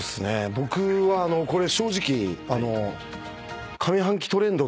僕はこれ正直。